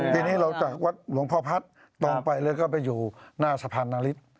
ทีนี้เราจากวัดหลวงพ่อพัฒน์ตรงไปแล้วก็ไปอยู่หน้าสะพานนฤทธิ์